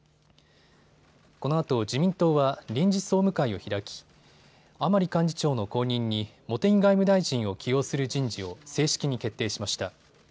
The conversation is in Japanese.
このあと自民党は臨時総務会を開き甘利幹事長の後任に茂木外務大臣を起用する人事を正式に決定しました。